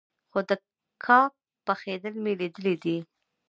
خو د کاک پخېدل مې ليدلي دي.